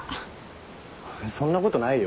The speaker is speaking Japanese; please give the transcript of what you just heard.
そんなことないよ。